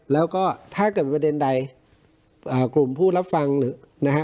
แล้วก็ถ้าเกิดประเด็นใดกลุ่มผู้รับฟังหรือนะฮะ